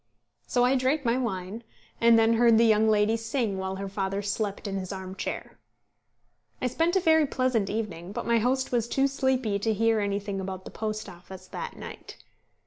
So I drank my wine, and then heard the young lady sing while her father slept in his arm chair. I spent a very pleasant evening, but my host was too sleepy to hear anything about the Post Office that night.